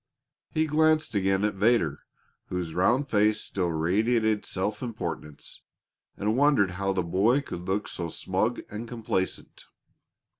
He glanced again at Vedder, whose round face still radiated self importance, and wondered how the boy could look so smug and complacent.